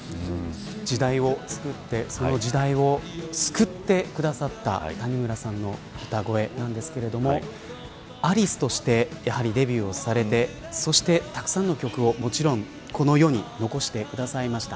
時代を作って時代を救ってくださった谷村さんの歌声ですがアリスとしてデビューをして、たくさんの曲をこの世に残してくださいました。